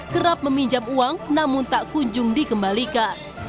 kerap meminjam uang namun tak kunjung dikembalikan